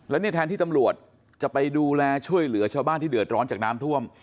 และนี่แทนที่ตำรวจจะไปดูแลช่วยเหลือชาวบ้านที่เดือดร้อนจากน้ำท่วม